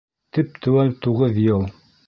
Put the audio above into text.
Теп-теүәл туғыҙ йыл.